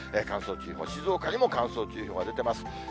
乾燥注意報、静岡にも乾燥注意報が出てます。